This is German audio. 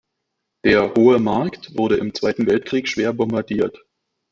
Der Hohe Markt wurde im Zweiten Weltkrieg schwer bombardiert.